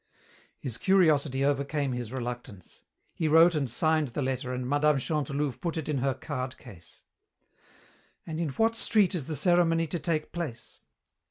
His curiosity overcame his reluctance. He wrote and signed the letter and Mme. Chantelouve put it in her card case. "And in what street is the ceremony to take place?"